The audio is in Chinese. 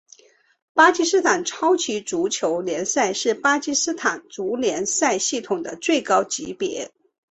巴基斯坦超级足球联赛是巴基斯坦足球联赛系统的最高级别。